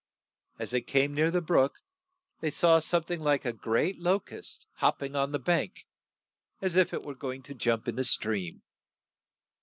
As they came near the brook, they saw some thing like a great lo cust hop ping on the bank as if it were go ing to jump in the stream.